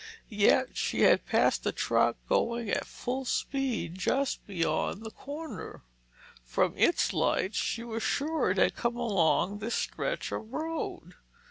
Yet she had passed the truck going at full speed just beyond the corner. From its lights, she was sure it had come along this stretch of road.